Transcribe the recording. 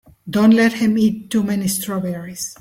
Don't let him eat too many strawberries.